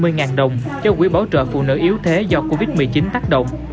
sách bán được năm mươi đồng cho quỹ bảo trợ phụ nữ yếu thế do covid một mươi chín tác động